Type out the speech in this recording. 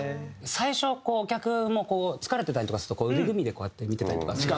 最初お客も疲れてたりとかすると腕組みでこうやって見てたりとか。